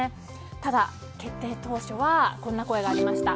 ただ、決定当初はこんな声がありました。